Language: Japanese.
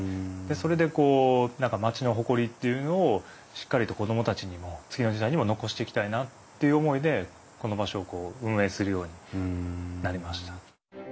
それでこう何か町の誇りというのをしっかりと子供たちにも次の時代にも残していきたいなという思いでこの場所を運営するようになりました。